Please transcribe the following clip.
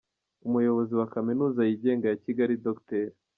Umuyobozi wa Kaminuza yigenga ya Kigali, Dr.